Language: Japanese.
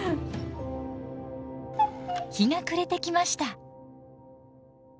日が暮れてきました。